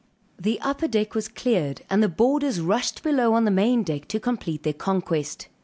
The upper deck was cleared, and the boarders rushed below on the main deck to complete their conquest.